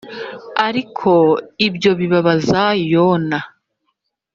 Ariko ibyo bibabaza Yona